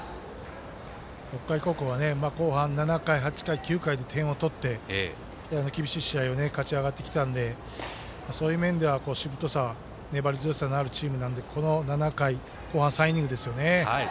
北海高校は後半７回、８回、９回で点を取って、厳しい試合を勝ち上がってきたのでそういう面では、しぶとさ粘り強さのあるチームなんでこの７回、後半３イニングですね。